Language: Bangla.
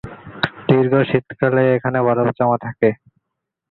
দীর্ঘ শীতকালে এখানে বরফ জমা হয়ে থাকে।